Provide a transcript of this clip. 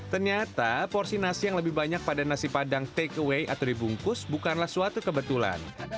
ternyata porsi nasi yang lebih banyak pada nasi padang take away atau dibungkus bukanlah suatu kebetulan